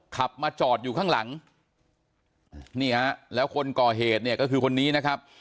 ขับมาจอดอยู่ข้างหลังนี่ฮะแล้วคนก่อเหตุเนี่ยก็คือคนนี้นะครับ